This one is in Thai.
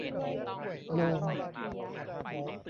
โลง